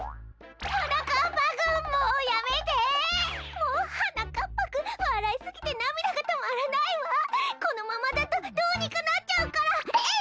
もうはなかっぱくんわらいすぎてなみだがとまらないわこのままだとどうにかなっちゃうからえいっ！